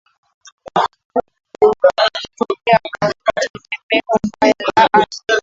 u kutokea kwa tetemeko mbaya la ardhi